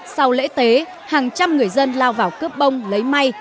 sau lễ tế hàng trăm người dân lao vào cướp bông lấy may